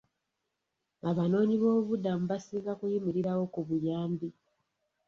Abanoonyiboobubudamu basinga kuyimirirawo ku buyambi.